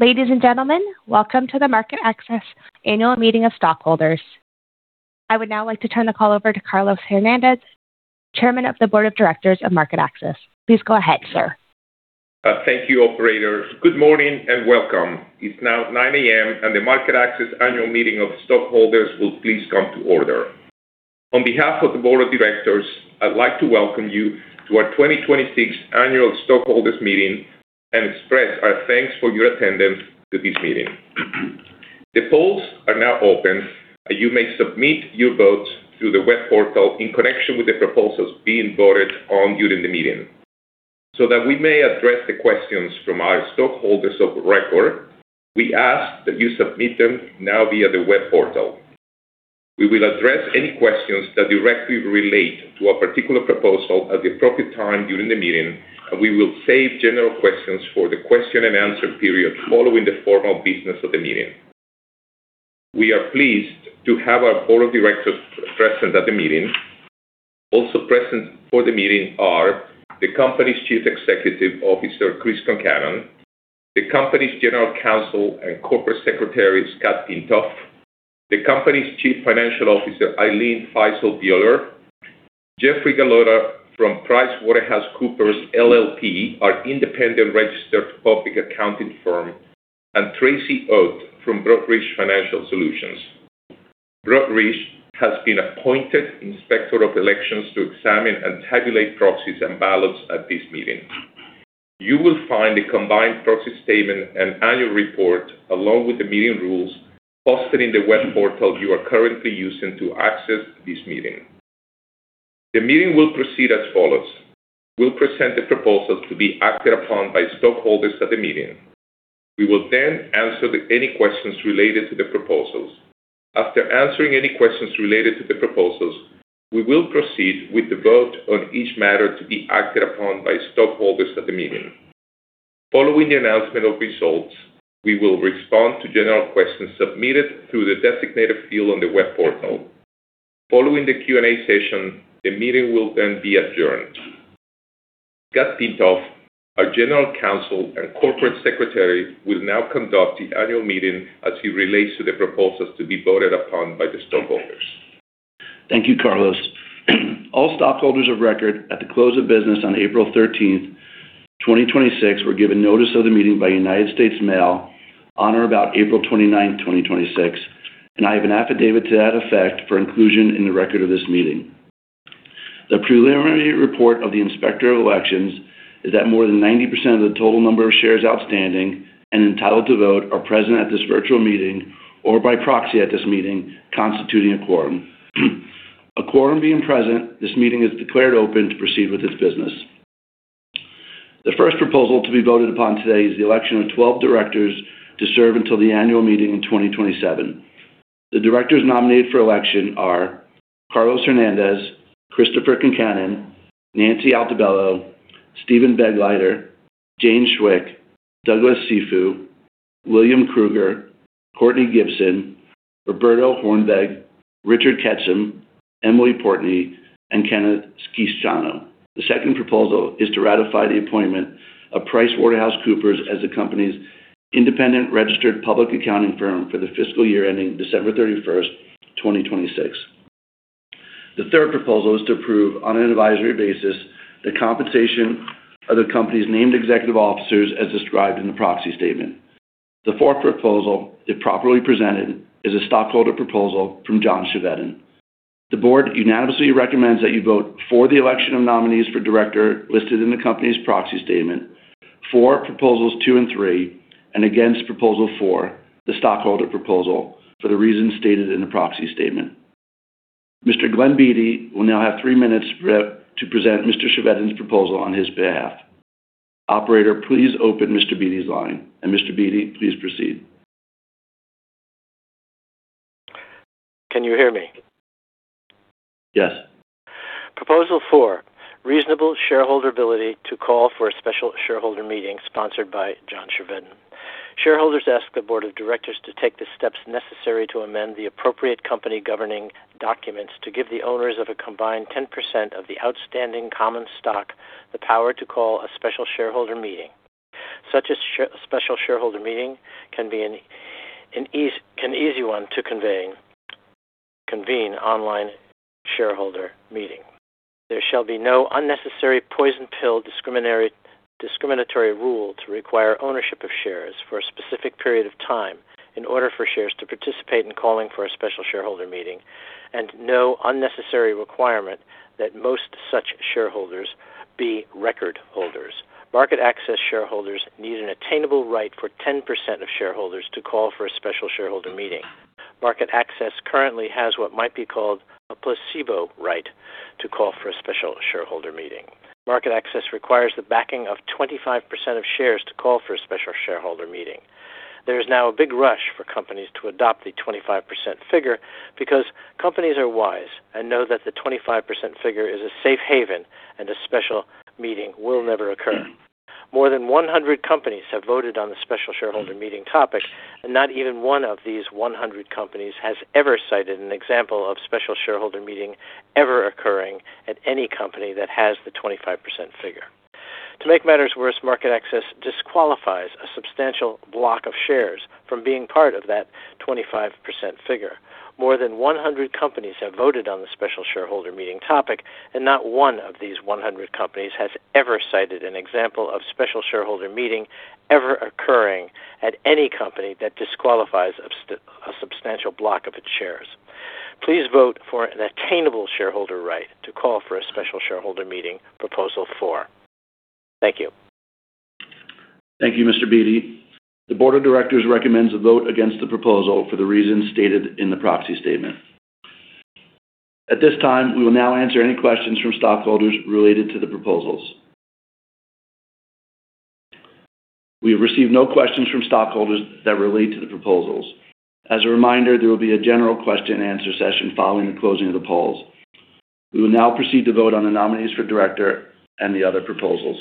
Ladies and gentlemen, welcome to the MarketAxess Annual Meeting of Stockholders. I would now like to turn the call over to Carlos Hernandez, Chairman of the Board of Directors of MarketAxess. Please go ahead, sir. Thank you, operator. Good morning and welcome. It's now 9:00 A.M., the MarketAxess Annual Meeting of Stockholders will please come to order. On behalf of the board of directors, I'd like to welcome you to our 2026 Annual Stockholders Meeting and express our thanks for your attendance to this meeting. The polls are now open. You may submit your votes through the web portal in connection with the proposals being voted on during the meeting. That we may address the questions from our stockholders of record, we ask that you submit them now via the web portal. We will address any questions that directly relate to a particular proposal at the appropriate time during the meeting. We will save general questions for the question-and-answer period following the formal business of the meeting. We are pleased to have our board of directors present at the meeting. Also present for the meeting are the company's Chief Executive Officer, Chris Concannon; the company's General Counsel and Corporate Secretary, Scott Pintoff; the company's Chief Financial Officer, Ilene Fiszel Bieler; Jeffrey Galota from PricewaterhouseCoopers LLP, our independent registered public accounting firm, and Tracy Oats from Broadridge Financial Solutions. Broadridge has been appointed Inspector of Elections to examine and tabulate proxies and ballots at this meeting. You will find the combined proxy statement and annual report, along with the meeting rules, posted in the web portal you are currently using to access this meeting. The meeting will proceed as follows: we'll present the proposals to be acted upon by stockholders at the meeting. We will answer any questions related to the proposals. After answering any questions related to the proposals, we will proceed with the vote on each matter to be acted upon by stockholders at the meeting. Following the announcement of results, we will respond to general questions submitted through the designated field on the web portal. Following the Q&A session, the meeting will then be adjourned. Scott Pintoff, our General Counsel and Corporate Secretary, will now conduct the annual meeting as he relates to the proposals to be voted upon by the stockholders. Thank you, Carlos. All stockholders of record at the close of business on April 13th, 2026, were given notice of the meeting by United States mail on or about April 29th, 2026, and I have an affidavit to that effect for inclusion in the record of this meeting. The preliminary report of the Inspector of Elections is that more than 90% of the total number of shares outstanding and entitled to vote are present at this virtual meeting or by proxy at this meeting, constituting a quorum. A quorum being present, this meeting is declared open to proceed with its business. The first proposal to be voted upon today is the election of 12 directors to serve until the annual meeting in 2027. The directors nominated for election are Carlos Hernandez, Christopher Concannon, Nancy Altobello, Steven Begleiter, Jane Chwick, Douglas Cifu, William Krueger, Courtney Gibson, Roberto Hoornweg, Richard Ketchum, Emily Portney, and Kenneth Schiciano. The second proposal is to ratify the appointment of PricewaterhouseCoopers as the company's independent registered public accounting firm for the fiscal year ending December 31st, 2026. The third proposal is to approve on an advisory basis the compensation of the company's named executive officers as described in the proxy statement. The fourth proposal, if properly presented, is a stockholder proposal from John Chevedden. The board unanimously recommends that you vote for the election of nominees for director listed in the company's proxy statement for proposals two and three, and against proposal four, the stockholder proposal, for the reasons stated in the proxy statement. Mr. Glenn Beatty will now have three minutes to present Mr. Chevedden's proposal on his behalf. Operator, please open Mr. Beatty's line, and Mr. Beatty, please proceed. Can you hear me? Yes. Proposal 4, reasonable shareholder ability to call for a special shareholder meeting sponsored by John Chevedden. Shareholders ask the board of directors to take the steps necessary to amend the appropriate company governing documents to give the owners of a combined 10% of the outstanding common stock the power to call a special shareholder meeting. Such a special shareholder meeting can be an easy one to convene online shareholder meeting. There shall be no unnecessary poison pill discriminatory rule to require ownership of shares for a specific period of time in order for shares to participate in calling for a special shareholder meeting, and no unnecessary requirement that most such shareholders be record holders. MarketAxess shareholders need an attainable right for 10% of shareholders to call for a special shareholder meeting. MarketAxess currently has what might be called a placebo right to call for a special shareholder meeting. MarketAxess requires the backing of 25% of shares to call for a special shareholder meeting. There is now a big rush for companies to adopt the 25% figure because companies are wise and know that the 25% figure is a safe haven, and a special meeting will never occur. More than 100 companies have voted on the special shareholder meeting topic, and not even one of these 100 companies has ever cited an example of special shareholder meeting ever occurring at any company that has the 25% figure. To make matters worse, MarketAxess disqualifies a substantial block of shares from being part of that 25% figure. More than 100 companies have voted on the special shareholder meeting topic, and not one of these 100 companies has ever cited an example of special shareholder meeting ever occurring at any company that disqualifies a substantial block of its shares. Please vote for an attainable shareholder right to call for a special shareholder meeting, Proposal 4. Thank you. Thank you, Mr. Beatty. The board of directors recommends a vote against the proposal for the reasons stated in the proxy statement. At this time, we will now answer any questions from stockholders related to the proposals. We have received no questions from stockholders that relate to the proposals. As a reminder, there will be a general question-and-answer session following the closing of the polls. We will now proceed to vote on the nominees for director and the other proposals.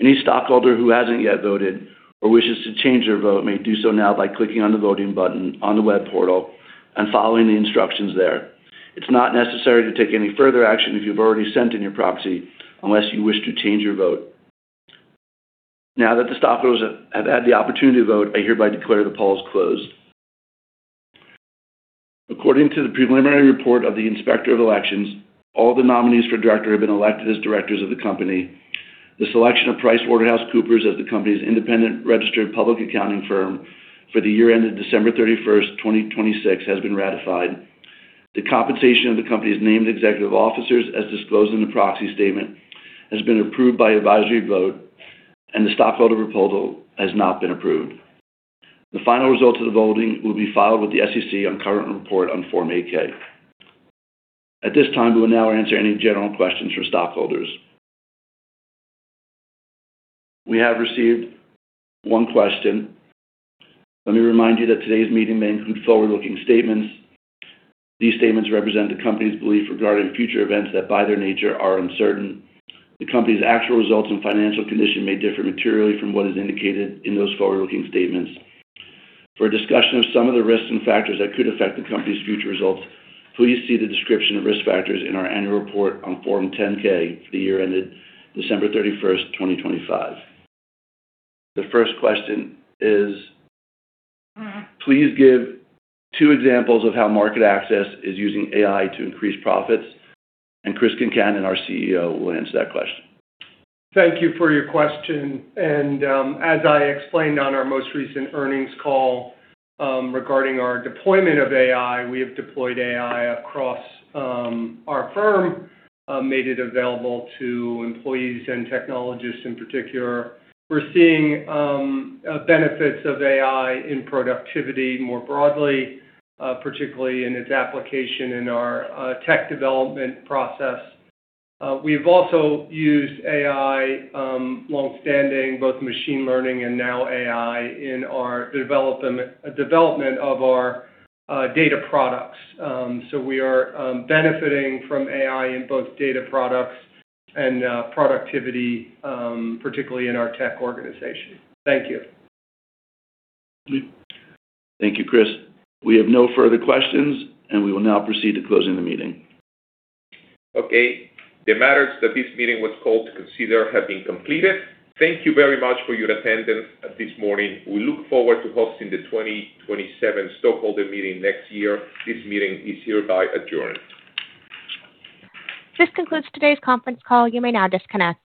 Any stockholder who hasn't yet voted or wishes to change their vote may do so now by clicking on the voting button on the web portal and following the instructions there. It's not necessary to take any further action if you've already sent in your proxy, unless you wish to change your vote. Now that the stockholders have had the opportunity to vote, I hereby declare the polls closed. According to the preliminary report of the Inspector of Elections, all the nominees for director have been elected as directors of the company. The selection of PricewaterhouseCoopers as the company's independent registered public accounting firm for the year ended December 31st, 2026, has been ratified. The compensation of the company's named executive officers, as disclosed in the proxy statement, has been approved by advisory vote. The stockholder proposal has not been approved. The final results of the voting will be filed with the SEC on current report on Form 8-K. At this time, we will now answer any general questions from stockholders. We have received one question. Let me remind you that today's meeting may include forward-looking statements. These statements represent the company's belief regarding future events that, by their nature, are uncertain. The company's actual results and financial condition may differ materially from what is indicated in those forward-looking statements. For a discussion of some of the risks and factors that could affect the company's future results, please see the description of risk factors in our annual report on Form 10-K for the year ended December 31st, 2025. The first question is, Please give two examples of how MarketAxess is using AI to increase profits. Chris Concannon, our CEO, will answer that question. Thank you for your question. As I explained on our most recent earnings call regarding our deployment of AI, we have deployed AI across our firm, made it available to employees and technologists in particular. We're seeing benefits of AI in productivity more broadly, particularly in its application in our tech development process. We've also used AI longstanding, both machine learning and now AI, in our development of our data products. We are benefiting from AI in both data products and productivity, particularly in our tech organization. Thank you. Thank you, Chris. We have no further questions. We will now proceed to closing the meeting. Okay. The matters that this meeting was called to consider have been completed. Thank you very much for your attendance this morning. We look forward to hosting the 2027 stockholder meeting next year. This meeting is hereby adjourned. This concludes today's conference call. You may now disconnect.